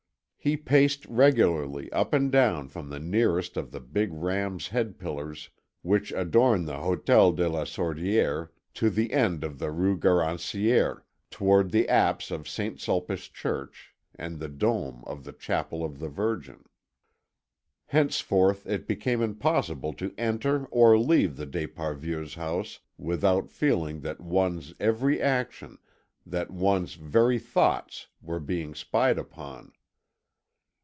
He paced regularly up and down from the nearest of the big rams' head pillars which adorn the Hôtel de la Sordière to the end of the Rue Garancière, towards the apse of St. Sulpice Church and the dome of the Chapel of the Virgin. Henceforth it became impossible to enter or leave the d'Esparvieus' house without feeling that one's every action, that one's very thoughts, were being spied upon.